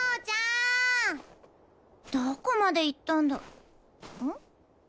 どこまで行ったんだん？